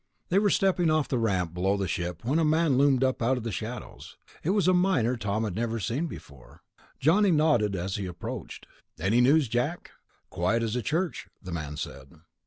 They were stepping off the ramp below the ship when a man loomed up out of the shadows. It was a miner Tom had never seen before. Johnny nodded as he approached. "Any news, Jack?" "Quiet as a church," the man said.